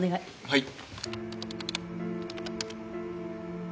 はい。